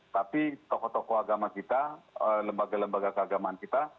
tapi tokoh tokoh agama kita lembaga lembaga keagamaan kita